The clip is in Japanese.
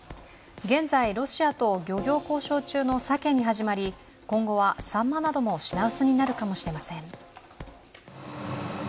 現在、ロシアと漁業交渉中のさけにはじまり今後はさんまなども品薄になるかもしれません。